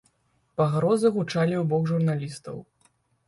Пагрозы гучалі і ў бок журналістаў.